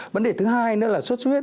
vấn đề thứ hai nữa là suốt suốt huyết